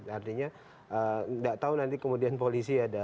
artinya tidak tahu nanti kemudian polisi yang akan mencari